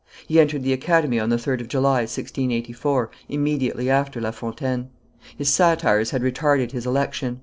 He entered the Academy on the 3d of July, 1684, immediately after La Fontaine. His satires had retarded his election.